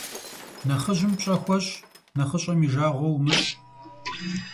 Нэхъыжьым пщӀэ хуэщӀ, нэхъыщӀэм и жагъуэ умыщӀ.